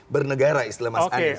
bernegara islam mas anies